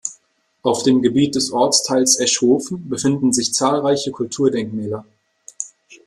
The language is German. Auf dem Gebiet des Ortsteils Eschhofen befinden sich zahlreiche Kulturdenkmäler.